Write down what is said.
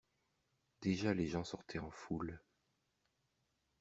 Déjà les gens sortaient en foule.